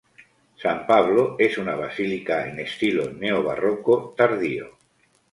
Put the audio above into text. San Pablo es una basílica en estilo neobarroco tardío.